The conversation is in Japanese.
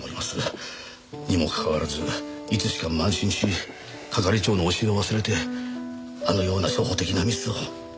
にもかかわらずいつしか慢心し係長の教えを忘れてあのような初歩的なミスを。